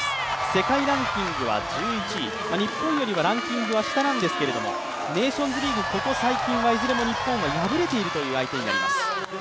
世界ランキングは１１位、日本よりはランキングは下なんですけれどもネーションズリーグ、ここ最近はいずれも日本は敗れている相手になります。